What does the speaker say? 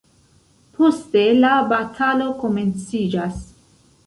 Poste la batalo komenciĝas.